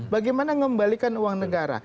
bagaimana mengembalikan uang negara